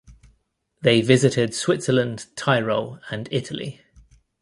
They visited Switzerland, Tyrol, and Italy.